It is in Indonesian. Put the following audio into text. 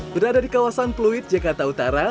berada di kawasan pluit jakarta utara